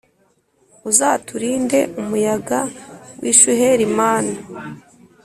Uzaturinde umuyaga wishuheri mana